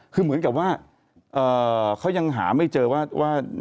คือเหมือนกับว่าเขายังหาไม่เจอว่า